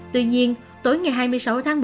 tuy nhiên tối ngày hai mươi sáu tháng một mươi